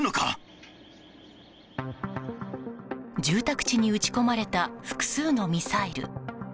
住宅地に撃ち込まれた複数のミサイル。